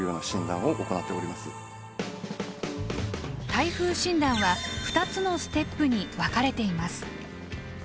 耐風診断は２つのステップに分かれています。